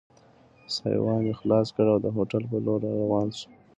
سایوان یې خلاص کړ او د هوټل په لور را روان شو.